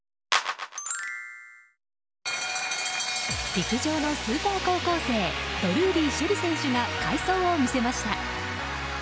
陸上のスーパー高校生ドルーリー朱瑛里選手が快走を見せました。